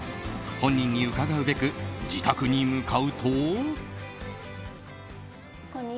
本人に伺うべく自宅に向かうと。